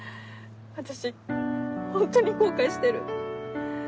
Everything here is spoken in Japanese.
私ホントに後悔してる。